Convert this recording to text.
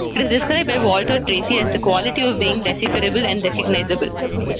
It is described by Walter Tracy as "the quality of being decipherable and recognisable".